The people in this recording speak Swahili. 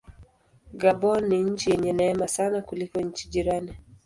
Gabon ni nchi yenye neema sana kuliko nchi jirani.